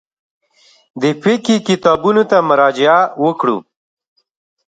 د فقهي کتابونو ته مراجعه وکړو.